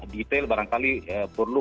detail barangkali perlu